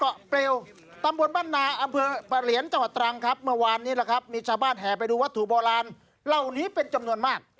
แล้วก็เข้าของเครื่องใช้นะครับเยอะมาก